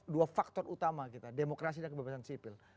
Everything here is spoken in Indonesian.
dua faktor utama kita demokrasi dan kebebasan sipil